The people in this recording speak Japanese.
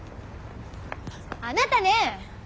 あなたね！